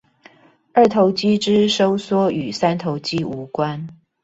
二頭肌之收縮與三頭肌無關